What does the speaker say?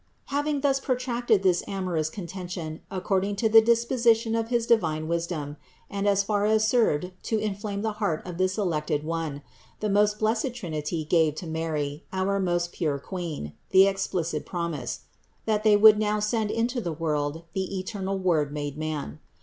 Having thus protracted this amorous con tention according to the disposition of his divine wisdom and as far as served to inflame the heart of this elected One, the whole blessed Trinity gave to Mary, our most pure Queen, the explicit promise, that They would now send into the world the eternal Word made man.